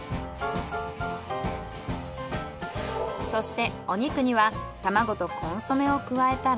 そしてお肉には卵とコンソメを加えたら。